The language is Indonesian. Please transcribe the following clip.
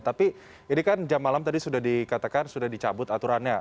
tapi ini kan jam malam tadi sudah dikatakan sudah dicabut aturannya